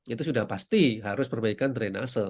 itu sudah pasti harus perbaikan drainase